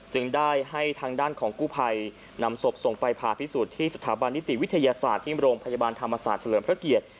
จึงได้ให้ทางด้านของกู้ภัยนำศพส่งไปผ่าพิสูจน์ที่สถาบันนิติวิทยาศาสตร์ที่โรงพยาบาลธรรมศาสตร์เฉลิมพระเกียรติ